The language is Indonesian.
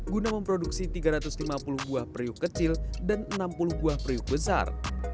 guna memproduksi tiga ratus lima puluh buah periuk kecil dan enam puluh buah periuk besar